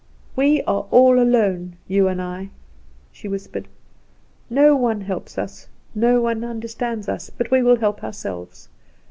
"We are all alone, you and I," she whispered; "no one helps us, no one understands us; but we will help ourselves."